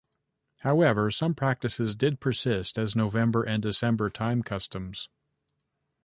However, some practices did persist as November and December time customs.